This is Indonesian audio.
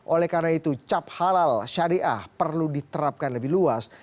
oleh karena itu cap halal syariah perlu diterapkan lebih luas